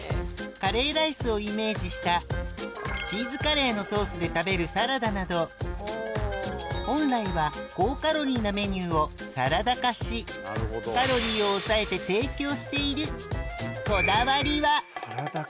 カレーライスをイメージしたチーズカレーのソースで食べるサラダなど本来は高カロリーなメニューをサラダ化しカロリーを抑えて提供しているそんな入ってんの？